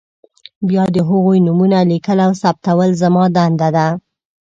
بیا د هغوی نومونه لیکل او ثبتول زما دنده ده.